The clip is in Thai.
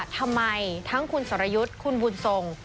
ทำไมทั้งคุณสรยุทธิ์คุณบุญทรง